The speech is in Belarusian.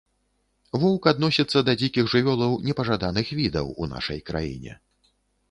Воўк адносіцца да дзікіх жывёлаў непажаданых відаў у нашай краіне.